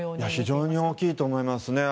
非常に大きいと思いますね。